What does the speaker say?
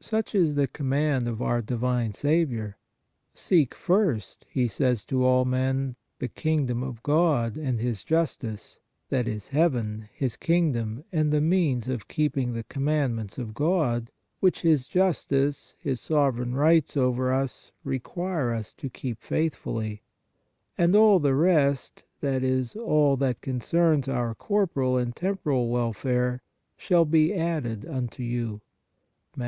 Such is the command of our divine Saviour: " Seek first/ He says to all men, " the kingdom of God and His justice," that is heaven, His kingdom, and the means of keeping the commandments of God, which His justice, His sovereign rights over us require us to keep faithfully, " and all the rest, 5 that is, all that concerns our corporal and temporal welfare, "shall be added unto you" (Mat.